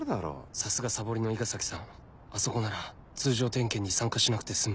さすがサボりの伊賀崎さんあそこなら通常点検に参加しなくて済む